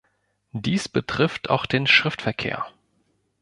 Dies betrifft auch den Schriftverkehr.